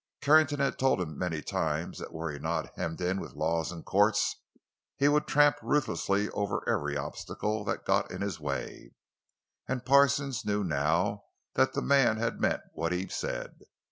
Carrington had told him many times that were he not hemmed in with laws and courts he would tramp ruthlessly over every obstacle that got in his way; and Parsons knew now that the man had meant what he said.